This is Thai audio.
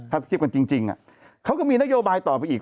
ถ้าเทียบกันจริงเขาก็มีนโยบายต่อไปอีก